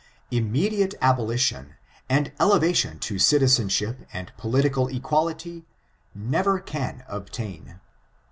Immediate abolition and elevation to citizenship and political equality, never can obtain.